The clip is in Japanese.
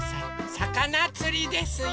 さかなつりですよ。